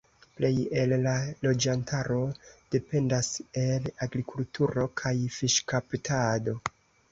Plej el la loĝantaro dependas el agrikulturo kaj fiŝkaptado.